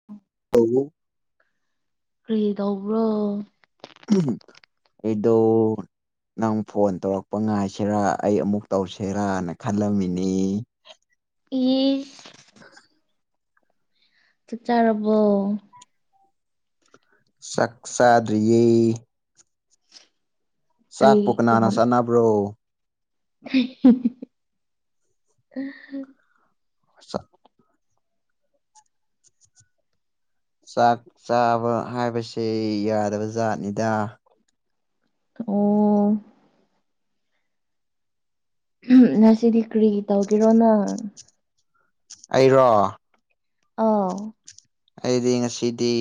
[unintelligible] [unintelligible] ꯀ꯭ꯔꯤ ꯇꯧꯕ꯭ꯔꯣ [unintelligible] ꯑꯩꯗꯣ ꯅꯪ ꯐꯣꯟ ꯇꯧꯔꯛꯄ ꯉꯥꯏꯁꯤꯔꯥ ꯑꯩ ꯑꯃꯨꯛ ꯇꯧꯁꯦꯔꯥꯅ ꯈꯜꯂꯝꯃꯤꯅꯤ [unintelligible] ꯆꯥꯛ ꯆꯥꯔꯕꯣ ꯆꯥꯛ ꯆꯥꯗ꯭ꯔꯤꯌꯦ ꯀꯔꯤ ꯆꯥꯛ ꯄꯨ ꯀꯅꯥꯟꯅ ꯌꯥꯝ ꯆꯥꯟꯅꯕ꯭ꯔꯣ [unintelligible] ꯆꯥꯛ ꯆꯥꯛ ꯆꯥꯕ ꯍꯥꯏꯕꯁꯦ ꯌꯥꯗꯕ ꯖꯥꯠꯅꯤꯗ ꯑꯣ [unintelligible] ꯉꯁꯤꯗꯤ ꯀ꯭ꯔꯤ ꯇꯧꯒꯦꯔꯣ ꯅꯪ ꯑꯩꯔꯣ ꯑꯥꯎ ꯑꯩꯗꯤ ꯉꯁꯤꯗꯤ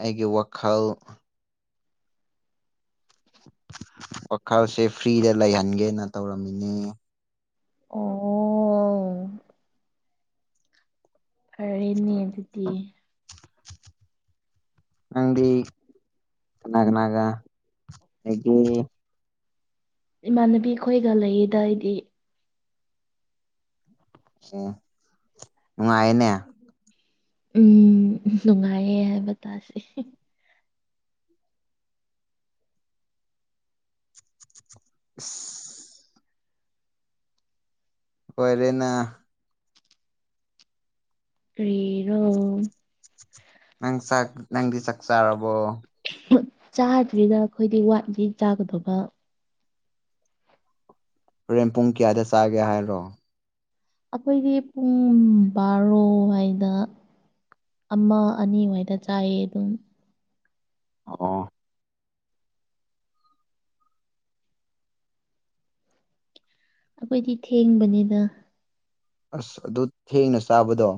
ꯑꯩꯒꯤ ꯋꯥꯈꯜ ꯋꯥꯈꯜꯁꯦ ꯐ꯭ꯔꯤꯗ ꯂꯩꯍꯟꯒꯦꯅ ꯇꯧꯔꯝꯃꯤꯅꯦ ꯑꯣ [unintelligible] ꯑꯔꯦꯅꯦ ꯗꯨꯗꯤ ꯅꯪꯗꯤ ꯀꯅꯥ ꯀꯅꯥꯒ ꯂꯩꯒꯦ? ꯏꯃꯥꯟꯅꯕꯤ ꯈꯣꯏꯒ ꯂꯩꯌꯦꯗ ꯑꯩꯗꯤ꯫ ꯎꯡ ꯅꯨꯉꯥꯏꯅꯦ ꯎꯝ ꯅꯨꯉꯥꯏꯌꯦ ꯍꯥꯏꯕ ꯇꯥꯔꯦ ꯏꯁ ꯑꯣꯏꯔꯦꯅꯥ ꯀꯔꯤꯔꯣ? ꯅꯪ ꯆꯥꯛ ꯅꯪꯗꯤ ꯆꯥꯛ ꯆꯥꯔꯕꯣ? [unintelligible] ꯆꯥꯗ꯭ꯔꯤꯗ ꯑꯩꯈꯣꯏꯗꯤ ꯋꯥꯠꯂꯤ ꯆꯥꯒꯗꯧꯕ꯫ ꯍꯣꯔꯦꯟ ꯄꯨꯡ ꯀꯌꯥꯗ ꯆꯥꯒꯦ ꯍꯥꯏꯔꯣ? ꯑꯈꯣꯏꯒꯤ ꯄꯨꯡ ꯕꯥꯔꯣꯍꯥꯢꯗ ꯑꯃ ꯑꯅꯤꯋꯥꯏꯗ ꯆꯥꯏꯌꯦ ꯑꯗꯨꯝ ꯑꯣ ꯑꯣ ꯑꯈꯣꯏꯗꯤ ꯊꯦꯡꯕꯅꯤꯗ ꯑꯁ ꯑꯗꯨ ꯊꯦꯡꯅ ꯆꯥꯕꯗꯣ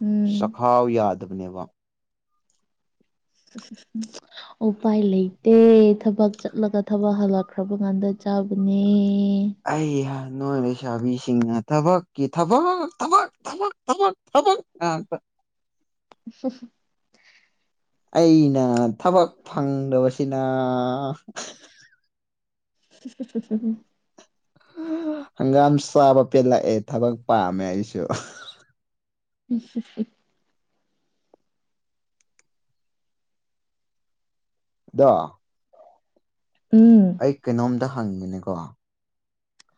ꯎꯝ ꯐꯥꯎ ꯌꯥꯗꯕꯅꯦꯕ [unintelligible] ꯑꯣꯄꯥꯏ ꯂꯩꯇꯦ ꯊꯕꯛ ꯆꯠꯂꯒ ꯊꯕꯛ ꯍꯜꯂꯛꯈ꯭ꯔꯕ ꯀꯥꯟꯗ ꯆꯥꯕꯅꯦ꯫ ꯑꯩ ꯍ ꯅꯣꯏ ꯂꯩꯁꯥꯕꯤꯁꯤꯡꯅ ꯊꯕꯛꯀꯤ ꯊꯕꯛ ꯊꯕꯛ ꯊꯃꯛ ꯊꯃꯛ ꯊꯃꯛ ꯉꯥꯛꯇ [unintelligible] ꯑꯩꯅ ꯊꯕꯛ ꯐꯪꯗꯕꯁꯤꯅꯥ [unintelligible] [unintelligible] ꯍꯪꯒꯥꯝ ꯆꯥꯕ ꯄꯦꯜꯂꯛꯑꯦ ꯊꯕꯛ ꯄꯥꯝꯃꯦ ꯑꯩꯁꯨ꯫ [unintelligible] ꯑꯗꯣ ꯎꯝ ꯑꯩ ꯀꯩꯅꯣꯝꯗ ꯍꯪꯒꯦꯅꯦꯀꯣ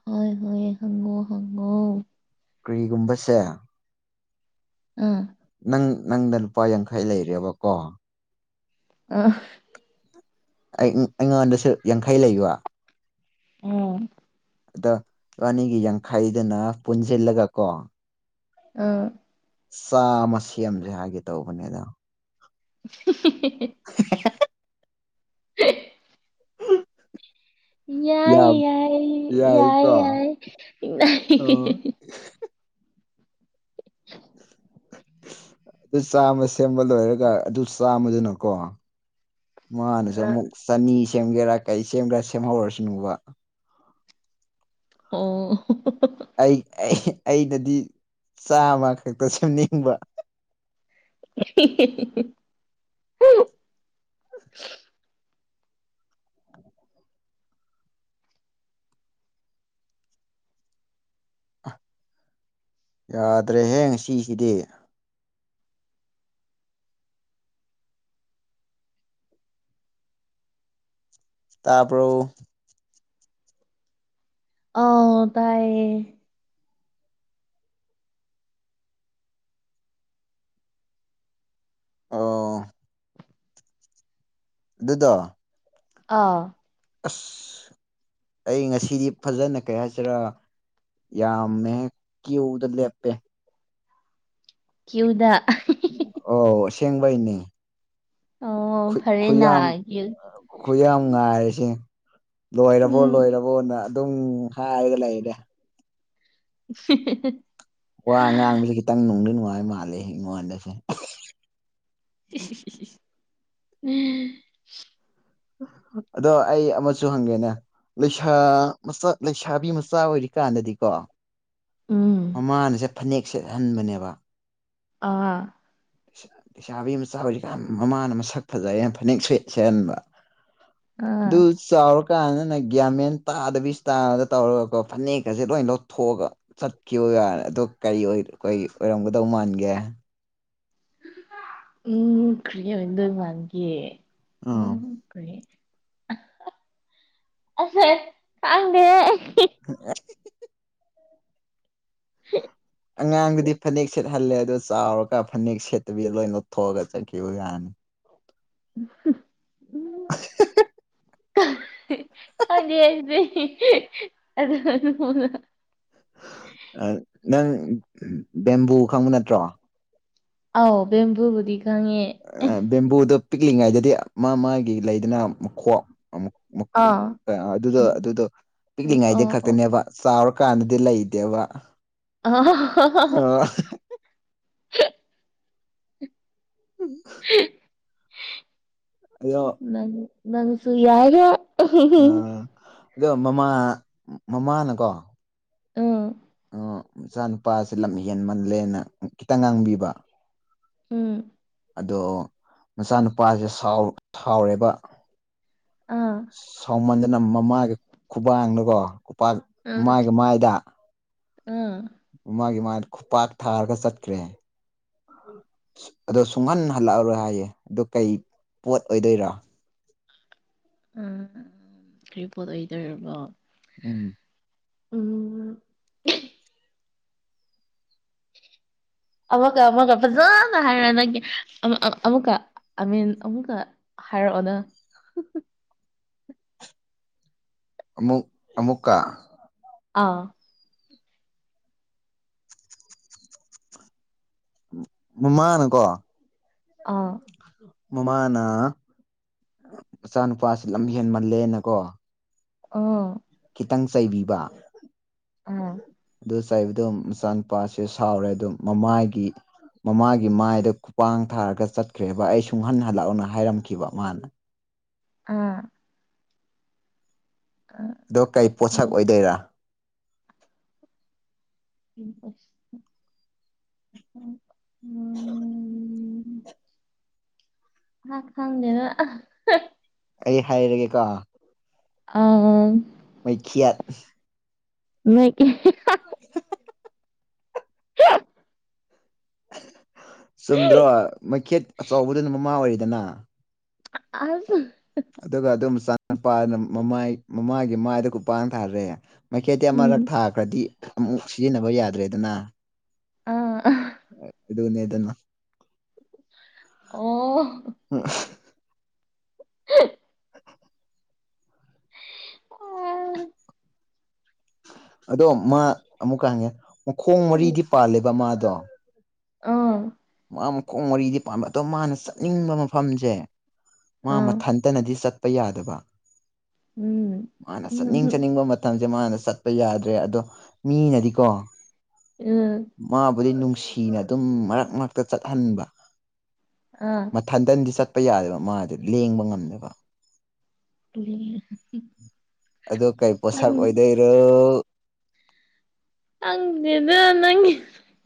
ꯍꯣꯏ ꯍꯣꯏ ꯍꯪꯉꯣ ꯍꯪꯉꯣ ꯀ꯭ꯔꯤꯒꯨꯝꯕꯁꯦ ꯑ ꯅꯪ ꯅꯪꯗ ꯂꯨꯄꯥ ꯌꯥꯡꯈꯩ ꯂꯩꯔꯦꯕꯀꯣ ꯑ ꯑꯩ ꯑꯩꯉꯣꯟꯗꯁꯨ ꯌꯥꯡꯈꯩ ꯂꯩꯕ [unintelligible] ꯑꯗꯣ ꯏꯕꯥꯅꯤꯒꯤ ꯌꯥꯡꯈꯩꯗꯨꯅ ꯄꯨꯟꯁꯤꯜꯂꯒ ꯀꯣ ꯑ ꯆꯥ ꯑꯃ ꯁꯦꯝꯖꯦ ꯍꯥꯏꯒꯦ ꯇꯧꯕꯅꯦꯗ꯫ [unintelligible] [unintelligible] [unintelligible] ꯌꯥꯏ ꯌꯥꯝ ꯌꯥꯏ ꯌꯥꯏ ꯌꯥꯏꯀꯣ ꯌꯥꯏ ꯏ ꯑꯣ [unintelligible] [unintelligible] ꯑꯗꯨ ꯆꯥꯝꯃ ꯁꯦꯝꯕ ꯂꯣꯏꯔꯒ ꯑꯗꯨ ꯆꯥꯝꯃꯗꯨꯅꯀꯣ ꯃꯥꯅꯁꯨ ꯑꯃꯨꯛ ꯆꯅꯤ ꯁꯦꯝꯒꯦꯔꯥ ꯀꯩ ꯁꯦꯝꯒꯦꯔꯥ ꯁꯦꯝꯍꯧꯔꯁꯅꯨꯕ ꯑꯣ ꯑꯩ ꯑꯩ ꯑꯩꯅꯗꯤ ꯆꯥꯃ ꯈꯛꯇ ꯁꯦꯝꯅꯤꯡꯕ [inaudible] ꯌꯥꯗ꯭ꯔꯦꯍꯦ ꯉꯁꯤꯁꯤꯗꯤ ꯇꯕ꯭ꯔꯣ ꯑꯎ ꯇꯥꯏꯌꯦ ꯑꯣ ꯑꯗꯨꯗꯣ ꯑꯥ ꯑꯁ ꯑꯩ ꯉꯁꯤꯗꯤ ꯐꯖꯅ ꯀꯩ ꯍꯥꯏꯁꯤꯔ ꯌꯥꯝꯃꯦ ꯀꯤꯎꯗ ꯂꯦꯞꯄꯦ ꯀ꯭ꯌꯨꯗ ꯑꯣ ꯁꯦꯡꯕꯩꯅꯤ ꯑꯣ ꯈꯨꯠ ꯐꯔꯦꯅ ꯈꯨꯌꯥꯝ ꯀ꯭ꯌꯨ ꯈꯨꯌꯥꯝ ꯉꯥꯏꯔꯤꯁꯦ ꯂꯣꯏꯔꯕꯣ ꯎꯝ ꯂꯣꯏꯔꯕ ꯍꯣꯟꯅ ꯑꯗꯨꯝ ꯍꯥꯏꯔꯒ ꯂꯩꯔꯦ [unintelligible] ꯋꯥ ꯉꯥꯡꯕꯁꯦ ꯈꯤꯇꯪ ꯅꯨꯡꯗꯤ ꯅꯨꯡꯉꯥꯏ ꯃꯥꯜꯂꯦ ꯑꯩꯉꯣꯟꯗꯁꯦ ꯏꯁ ꯏꯁ ꯏꯁ ꯏꯁ ꯑꯗꯣ ꯑꯩ ꯑꯃꯁꯨ ꯍꯪꯒꯦꯅꯦ ꯂꯩꯁꯥ ꯃꯆꯥ ꯂꯩꯁꯥꯕꯤ ꯃꯆꯥ ꯑꯣꯏꯔꯤꯀꯥꯟꯗꯗꯤꯀꯣ ꯎꯝ ꯃꯃꯥꯅꯁꯦ ꯐꯅꯦꯛ ꯁꯦꯠꯍꯟꯕꯅꯦꯕ ꯑꯥ ꯄꯩꯁꯥꯕꯤ ꯑꯃꯆꯥꯖꯤꯀꯥꯟ ꯃꯃꯥꯅ ꯃꯁꯛ ꯐꯖꯩꯌꯦꯟ ꯐꯅꯦꯛ ꯁꯦꯠ ꯁꯦꯍꯟꯕ ꯑꯥ ꯑꯗꯨ ꯆꯥꯎꯔꯛ ꯀꯥꯟꯗꯅ ꯒ꯭ꯌꯥꯃꯦꯟ ꯇꯥꯗꯕꯤ ꯏꯁꯇꯥꯏꯜꯗ ꯇꯧꯔꯒꯀꯣ ꯐꯅꯦꯛꯀꯁꯦ ꯂꯣꯏ ꯂꯧꯊꯣꯛꯑꯒ ꯆꯠꯈꯤꯕꯒꯟ ꯑꯗꯣ ꯀꯔꯤ ꯑꯣꯏ ꯀꯔꯤ ꯑꯣꯏꯔꯝꯒꯗꯧ ꯃꯥꯟꯒꯦ ꯎꯝ ꯀ꯭ꯔꯤ ꯑꯣꯏꯗꯣꯗ ꯃꯥꯒꯦ ꯎꯝ ꯀ꯭ꯔꯤ ꯑꯁꯑꯦ ꯈꯪꯗꯦ [inaudible] ꯍ ꯑꯉꯥꯡꯗꯨꯗꯤ ꯐꯅꯦꯛ ꯁꯦꯠꯍꯜꯂꯦ ꯑꯗꯣ ꯆꯥꯎꯔꯒ ꯐꯅꯦꯛ ꯁꯦꯠꯇꯨꯕꯤ ꯂꯣꯏ ꯂꯧꯊꯣꯛꯑꯒ ꯆꯠꯈꯤꯕ ꯌꯥꯅꯤ [unintelligible] [inaudible] ꯈꯪꯗꯦ ꯑꯩꯗꯤ [unintelligible] ꯑ ꯅꯪ ꯕꯦꯝꯕꯨ ꯈꯪꯕ ꯅꯠꯇ꯭ꯔꯣ ꯑꯥꯎ ꯕꯦꯝꯕꯨꯨꯕꯨꯗꯤ ꯈꯉꯦ ꯕꯦꯝꯕꯨꯗꯣ ꯄꯤꯛꯂꯤꯉꯩꯗꯗꯤ ꯃꯥ ꯃꯥꯒꯤ ꯂꯩꯗꯅ ꯃꯈꯣꯛ ꯑꯃꯨ ꯃꯀꯨ ꯑꯥ ꯑ ꯑꯗꯨꯗꯣ ꯑꯗꯨꯗꯣ ꯄꯤꯛꯂꯤꯉꯥꯏꯗ ꯑꯣ ꯑꯣ ꯈꯛꯇꯅꯦꯕ ꯆꯥꯎꯔꯀꯥꯟꯗꯗꯤ ꯂꯩꯇꯦꯕ ꯑ ꯎꯝ ꯑꯗꯣ ꯅꯪ ꯅꯪꯁꯨ ꯌꯥꯏꯔꯦ ꯑꯗꯣ ꯃꯃꯥ ꯃꯃꯥꯅꯀꯣ ꯑ [unintelligible] ꯃꯆꯥꯅꯨꯄꯥꯁꯦ ꯂꯝ ꯍꯦꯟꯃꯜꯂꯦꯅ ꯈꯤꯇꯪ ꯉꯥꯡꯕꯤꯕ ꯎꯝ ꯑꯗꯣ ꯃꯆꯥꯅꯨꯄꯥꯁꯦ ꯁꯥꯎ ꯁꯥꯎꯔꯦꯕ꯫ ꯑꯥ ꯁꯥꯎꯃꯟꯗꯅ ꯃꯃꯥꯒꯤ ꯈꯨꯕꯥꯡꯅꯀꯣ ꯎꯄꯥꯛ ꯃꯥꯏꯒꯤ ꯃꯥꯏꯗ ꯎꯡ ꯃꯥꯒꯤ ꯃꯥꯏꯗ ꯈꯨꯄꯥꯛ ꯊꯥꯔꯒ ꯆꯠꯈ꯭ꯔꯦ꯫ [unintelligible] ꯑꯗꯣ ꯁꯨꯡꯍꯟ ꯍꯜꯂꯛꯑꯔꯣꯏ ꯍꯥꯏꯌꯦ ꯑꯗꯨ ꯀꯩ ꯄꯣꯠ ꯑꯣꯏꯗꯣꯏꯔꯥ? ꯎꯝ ꯀꯔꯤ ꯄꯣꯠ ꯑꯣꯏꯗꯣꯏꯔꯕꯣ ꯎꯝ ꯎꯝ ꯑꯃꯛꯀ ꯑꯃꯛꯀ ꯐꯖꯅ ꯍꯥꯏꯔꯣ ꯅꯪꯒꯤ ꯑ-ꯑꯃꯨꯛꯀ ꯑ ꯃꯤꯟ ꯑꯃꯨꯛꯀ ꯍꯥꯏꯔꯛꯑꯣꯅ [unintelligible] ꯑꯃꯨꯛ ꯑꯃꯨꯛꯀ ꯑꯥ ꯃꯃꯥꯅꯀꯣ [inaudible] ꯑꯥ ꯃꯃꯥꯅ ꯃꯆꯥꯅꯨꯄꯥꯁꯤ ꯂꯝ ꯍꯦꯟꯃꯜꯂꯦꯅ ꯀꯣ ꯑꯣ ꯈꯤꯇꯪ ꯆꯩꯕꯤꯕ ꯑꯗꯨ ꯆꯩꯕꯗꯨꯝ ꯃꯆꯥꯅꯨꯄꯥꯁꯦ ꯁꯥꯎꯔꯦ ꯑꯗꯨꯝ ꯃꯃꯥꯏꯒꯤ ꯃꯃꯥꯒꯤ ꯃꯥꯏꯗ ꯈꯨꯄꯥꯡ ꯊꯥꯔꯒ ꯆꯠꯈ꯭ꯔꯦꯕ ꯑꯩ ꯁꯨꯡꯍꯟ ꯍꯜꯂꯛꯑꯣꯅ ꯍꯥꯏꯔꯝꯈꯤꯕ ꯃꯥꯅ꯫ ꯑꯥ ꯑ ꯑꯗꯣ ꯀꯩ ꯄꯣꯠꯁꯛ ꯑꯣꯏꯗꯣꯏꯔꯥ? [inaudible] ꯎꯝ ꯍꯥ ꯈꯪꯗꯦꯗ ꯑꯥ ꯑꯩ ꯍꯥꯏꯔꯒꯦꯀꯣ ꯑꯝ ꯃꯩꯈꯦꯠ ꯃꯩꯛ ꯏ [unintelligible] [unintelligible] ꯆꯨꯝꯗ꯭ꯔꯣ ꯃꯩꯈꯦꯠ ꯑꯆꯧꯕꯗꯨꯅ ꯃꯃꯥ ꯑꯣꯏꯔꯦꯗꯅ ꯑꯖ ꯑꯗꯨꯒ ꯑꯗꯨꯝ ꯆꯥ ꯄꯥꯗꯨꯅ ꯃꯃꯥꯏ ꯃꯃꯥꯒꯤ ꯃꯥꯏꯗ ꯈꯨꯄꯥꯡ ꯊꯥꯔꯦ ꯃꯩꯈꯦꯠꯇꯤ ꯎꯝ ꯑꯃꯔꯛ ꯊꯥꯈ꯭ꯔꯗꯤ ꯑꯃꯨꯛ ꯁꯤꯖꯤꯟꯅꯕ ꯌꯥꯗ꯭ꯔꯦꯗꯅ꯫ ꯑ [unintelligible] ꯑꯗꯨꯅꯦꯗꯅ ꯑꯣ [unintelligible] [unintelligible] ꯑꯣ [unintelligible] ꯑꯗꯣ ꯃꯥ ꯑꯃꯨꯛꯀ ꯍꯪꯉꯦ ꯃꯈꯣꯡ ꯃꯔꯤꯗꯤ ꯄꯥꯜꯂꯦꯕ ꯃꯥꯗꯣ ꯑꯥ ꯃꯥ ꯃꯈꯣꯡ ꯃꯔꯤꯗꯤ ꯄꯥꯟꯕꯥ ꯑꯗꯣ ꯃꯥꯅ ꯆꯠꯅꯤꯡꯕ ꯃꯐꯝꯖꯦ ꯫ ꯃꯥ ꯑꯥ ꯃꯊꯟꯇꯅꯗꯤ ꯆꯠꯄ ꯌꯥꯗꯕ ꯎꯝ ꯃꯥꯅ ꯆꯠꯅꯤꯡ ꯎꯝ ꯆꯠꯅꯤꯡꯕ ꯃꯠ ꯇꯝꯁꯦ ꯃꯥꯅ ꯆꯠꯄ ꯌꯥꯗ꯭ꯔꯦ ꯑꯗꯣ ꯃꯤꯅꯗꯤꯀꯣ꯫ ꯎꯝ ꯃꯥꯕꯨꯗꯤ ꯅꯨꯡꯁꯤꯅ ꯑꯗꯨꯝ ꯃꯔꯛ ꯃꯔꯛꯇ ꯆꯠꯍꯟꯕ꯫ ꯑꯥ ꯊꯟꯗꯟꯗꯤ ꯆꯠꯄ ꯌꯥꯗꯦꯕ ꯃꯥꯗꯤ ꯂꯦꯡꯕ ꯉꯝꯗꯕ꯫ [unintelligible] ꯑꯗꯣ ꯀꯩ ꯄꯣꯠꯁꯛ ꯑꯣꯏꯗꯣꯏꯔꯣ꯫ ꯈꯪꯗꯦꯗ ꯅꯪꯒꯤ꯫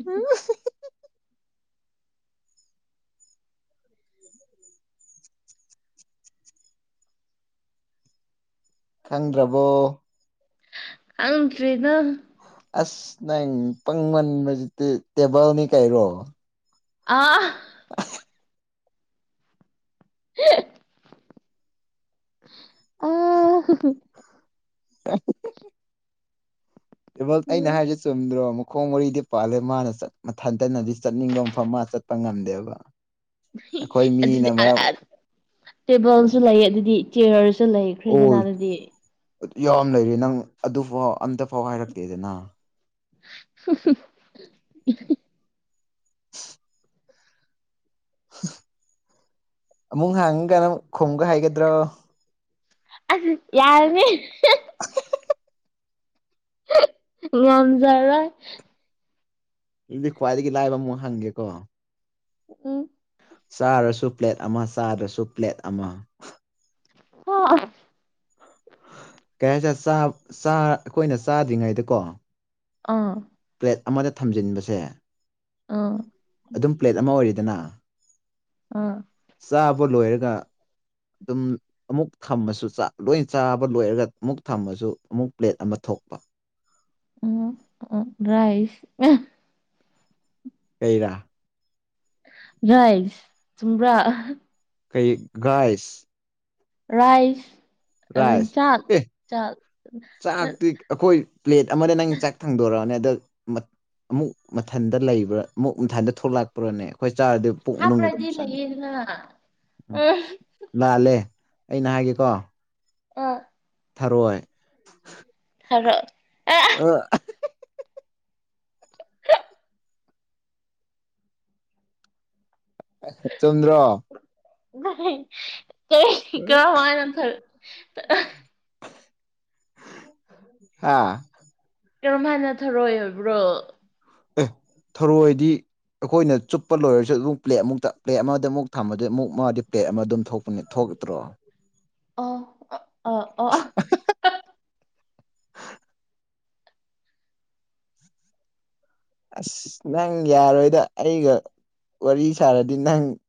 ꯑꯡ ꯫ ꯈꯪꯗ꯭ꯔꯕꯣ꯫ ꯈꯪꯗ꯭ꯔꯤꯗ ꯑꯁ ꯅꯪ ꯄꯪꯃꯟꯕꯖꯤꯛꯇꯤ ꯇꯦꯕꯜꯅꯤ ꯀꯩꯔꯣ꯫ ꯑꯥ ꯑ ꯑꯥ ꯑ ꯇꯦꯕꯜ ꯑꯩꯅ ꯍꯥꯏꯔꯤꯁꯦ ꯆꯨꯝꯗ꯭ꯔꯣ ꯑꯃꯨꯛ꯫ ꯈꯣꯡ ꯃꯔꯤꯗꯤ ꯄꯥꯜꯂꯦ ꯃꯥꯅ ꯆꯠ ꯃꯊꯟꯇꯅꯗꯤ ꯆꯠꯅꯤꯡꯕ ꯃꯐꯝ ꯃꯥ ꯆꯠꯄ ꯉꯝꯗꯦꯕ꯫ ꯑꯩꯈꯣꯏ ꯑꯗꯨꯗꯤ ꯃꯤꯅ ꯑꯥ ꯃꯔꯝ ꯑꯥ ꯇꯦꯕꯜꯁꯨ ꯂꯩ ꯑꯗꯨꯗꯤ ꯆꯤꯌꯔꯁꯨ ꯂꯩ꯫ ꯑꯣꯜ ꯑꯠ ꯌꯥꯝ ꯂꯩꯔꯦ ꯅꯪ ꯑꯗꯨꯐꯥꯎ ꯑꯝꯇ ꯐꯥꯎ ꯍꯥꯏꯔꯛꯇꯦꯗꯅ꯫ [inaudible] [inaudible] ꯑꯃꯨꯛ ꯍꯡꯉ ꯀꯥꯟꯅꯑꯃꯨꯛ ꯈꯨꯡꯒ ꯍꯩꯒꯗꯔꯣ ꯫ ꯑꯁ ꯌꯥꯔꯅꯤ꯫ ꯉꯝꯖꯔꯣꯏ ꯗꯨꯗꯤ ꯈ꯭ꯋꯥꯏꯗꯒꯤ ꯂꯥꯏꯕ ꯑꯃꯨꯛ ꯍꯪꯒꯦꯀꯣ꯫ ꯎꯝ ꯆꯥꯔꯁꯨ ꯄ꯭ꯂꯦꯠ ꯑꯃ ꯆꯥꯗ꯭ꯔꯁꯨ ꯄ꯭ꯂꯦꯠ ꯑꯃ꯫ ꯍꯥ ꯀꯩ ꯍꯥꯏꯁꯦꯔꯥ ꯆꯥꯞ ꯆꯥꯔ ꯑꯩꯈꯣꯏꯅ ꯆꯥꯗ꯭ꯔꯤꯉꯩꯗꯀꯣ꯫ ꯑꯥ ꯄ꯭ꯂꯦꯠ ꯑꯃꯗ ꯊꯝꯖꯤꯟꯕꯁꯦ ꯑꯥ ꯑꯗꯨꯝ ꯄ꯭ꯂꯦꯠ ꯑꯃ ꯑꯣꯏꯔꯤꯗꯅ꯫ ꯑꯥ ꯆꯥꯕ ꯂꯣꯏꯔꯒ ꯗꯨꯝ ꯑꯃꯨꯛ ꯊꯝꯃꯁꯨ ꯆꯥ ꯂꯣꯏꯟ ꯆꯥꯕ ꯂꯣꯏꯔꯒ ꯑꯃꯨꯛ ꯊꯝꯃꯁꯨ ꯑꯃꯨꯛ ꯄ꯭ꯂꯦꯠ ꯑꯃ ꯊꯣꯛꯄ꯫ ꯎꯝ ꯎ ꯑ ꯔꯥꯏꯁ ꯫ ꯀꯩꯔꯥ ꯫ ꯔꯥꯏꯐ ꯆꯨꯝꯕ꯭ꯔꯥ ꯑꯍ ꯀꯩ ꯒꯥꯏꯁ ꯔꯥꯏꯐ ꯔꯥꯏꯁ ꯑꯦ ꯆꯥꯛꯇꯤ ꯑꯈꯣꯏ ꯄ꯭ꯂꯦꯠ ꯑꯃꯗ ꯅꯪ ꯆꯛ ꯊꯡꯗꯣꯔꯣꯅꯦ ꯑꯗꯨꯛ ꯃꯠ ꯑꯃꯨꯛ ꯃꯊꯟꯗ ꯂꯩꯕ꯭ꯔꯥ ꯃꯨꯛ ꯃꯊꯟꯗ ꯊꯣꯛꯂꯛꯄ꯭ꯔꯅꯦ꯫ ꯈꯣꯏ ꯆꯥꯔꯗꯤ ꯄꯨꯨꯛ ꯃꯅꯨꯡꯗ ꯑꯗꯨꯝ ꯍꯥꯞꯄ꯭ꯔꯗꯤ ꯆꯪꯏ ꯂꯩꯌꯦꯗꯅ ꯎꯝ꯫ ꯑ ꯂꯥꯜꯂꯦ ꯑꯩꯅ ꯍꯥꯏꯒꯦꯀꯣ꯫ ꯎꯝ ꯊꯔꯣꯏ ꯍꯥꯏꯔꯣ ꯑꯦ [unintelligible] ꯆꯨꯝꯗ꯭ꯔꯣ [unintelligible] ꯀꯩꯍꯤ ꯀꯔꯝꯍꯥꯏꯅ ꯊꯔꯤ [unintelligible] ꯑꯥ ꯀ꯭ꯔꯝꯍꯥꯏꯅ ꯊꯔꯣꯏ ꯑꯣꯏꯕ꯭ꯔꯣ꯫ ꯑꯦ ꯊꯔꯣꯏꯗꯤ ꯑꯈꯣꯏꯅ ꯆꯨꯞꯄ ꯂꯣꯏꯔꯁꯨ ꯑꯗꯨꯝ ꯄ꯭ꯂꯦꯠ ꯑꯃꯨꯛꯇ ꯄ꯭ꯂꯦꯠ ꯑꯃꯗ ꯑꯃꯨꯛ ꯊꯝꯕꯗ ꯑꯃꯨꯛ ꯃꯥꯗꯤ ꯄ꯭ꯂꯦꯠ ꯑꯃ ꯑꯗꯨꯝ ꯊꯣꯛ ꯊꯣꯛꯇ꯭ꯔꯣ ꯎꯝ ꯑꯣ ꯑ ꯑꯣ ꯑꯥ ꯑꯁ ꯅꯪ ꯌꯥꯔꯣꯏꯗ ꯑꯩꯒ ꯋꯥꯔꯤ ꯁꯥꯔꯗꯤ ꯅꯪ